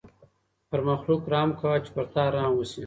پر مخلوق رحم کوه چې پر تا رحم وشي.